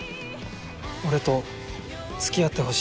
俺と付き合ってほしい。